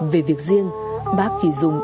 về việc riêng bác chỉ dùng